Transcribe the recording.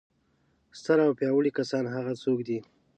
ستر او پیاوړي کسان هغه څوک دي.